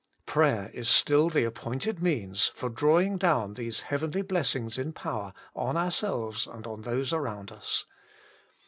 Prayer is still the ap pointed means for drawing down these heavenly blessings in power on ourselves and those around us.